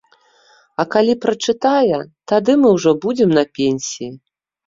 А калі прачытае, тады мы ўжо будзем на пенсіі.